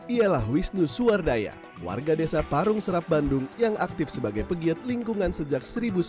ialah wisnu suwardaya warga desa parung serap bandung yang aktif sebagai pegiat lingkungan sejak seribu sembilan ratus sembilan puluh